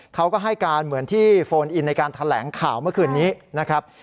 เขาก็ให้การเหมือนที่โฟนอินในการแถลงข่าวเมื่อคืนนี้นะครับ